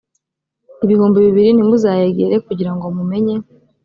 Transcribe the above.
ibihumbi bibiri ntimuzayegere kugira ngo mumenye